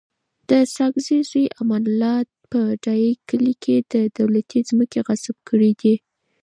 د ساګزی زوی امان الله په ډایی کلی کي دولتي مځکي غصب کړي دي